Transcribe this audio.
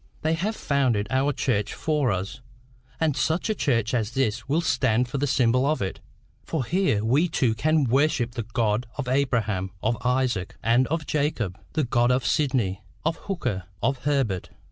They have founded our Church for us, and such a church as this will stand for the symbol of it; for here we too can worship the God of Abraham, of Isaac, and of Jacob the God of Sidney, of Hooker, of Herbert.